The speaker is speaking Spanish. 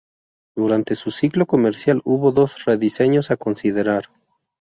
Durante su ciclo comercial hubo dos rediseños a considerar.